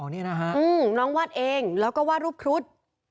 นี่นะฮะน้องวาดเองแล้วก็วาดรูปครุฑ